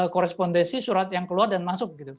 korespondensi surat yang keluar dan masuk gitu